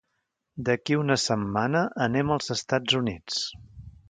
D'aquí a una setmana anem als Estats Units.